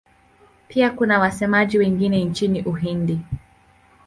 Pia kuna wasemaji wengine nchini Uhindi.